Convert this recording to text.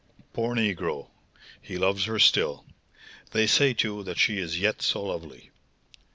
"Poor negro! he loves her still. They say, too, that she is yet so lovely!"